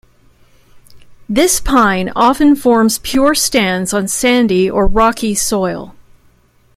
This pine often forms pure stands on sandy or rocky soil.